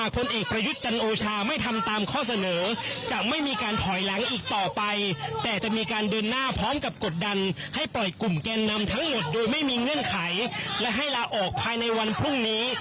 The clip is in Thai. กลุ่มแกนนำทั้งหมดโดยไม่มีเงื่อนไขและให้ลาออกภายในวันพรุ่งนี้